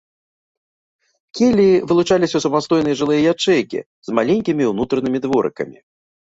Келлі вылучаліся ў самастойныя жылыя ячэйкі з маленькімі ўнутранымі дворыкамі.